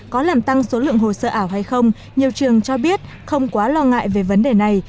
có làm tăng số lượng hồ sơ ảo hay không nhiều trường cho biết không quá lo ngại về vấn đề này